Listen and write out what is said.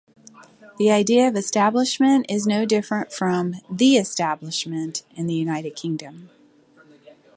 The idea of Establishment is no different from "The Establishment" in the United Kingdom.